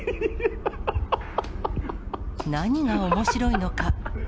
何がおもしろいのか。